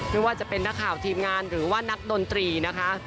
ไม่ว่าจะเป็นนักข่าวทีมงานหรือว่านักดนตรีนะคะ